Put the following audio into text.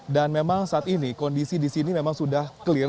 dan memang saat ini kondisi di sini memang sudah clear